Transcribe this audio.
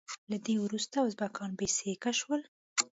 له ده وروسته ازبکان بې سیکه شول.